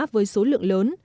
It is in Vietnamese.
với số lượng lớn